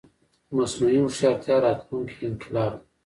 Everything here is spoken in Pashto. مصنوعي هوښيارتيا راتلونکې انقلاب دی